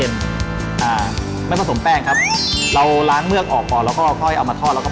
แล้วหลากหลายมากคือเกิดมันไม่เคยทานครับ